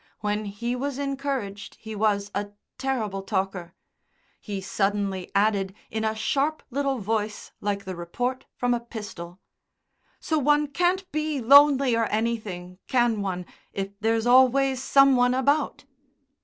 When he was encouraged he was a terrible talker. He suddenly added in a sharp little voice like the report from a pistol: "So one can't be lonely or anything, can one, if there's always some one about?"